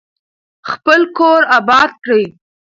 خپل کور اباد کړئ.